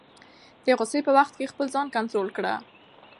د غصې په وخت کې خپل ځان کنټرول کړه.